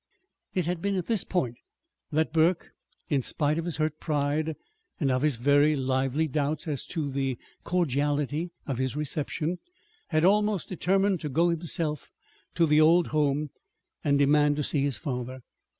It had been at this point that Burke, in spite of his hurt pride, and of his very lively doubts as to the cordiality of his reception, had almost determined to go himself to the old home and demand to see his father.